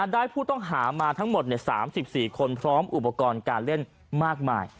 ได้ผู้ต้องหามาทั้งหมด๓๔คนพร้อมอุปกรณ์การเล่นมากมาย